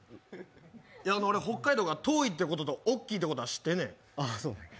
北海道が遠いってことと、大きいってことは知ってんねん。